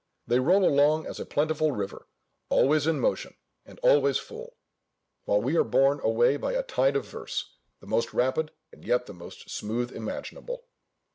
They roll along as a plentiful river, always in motion, and always full; while we are borne away by a tide of verse, the most rapid, and yet the most smooth imaginable.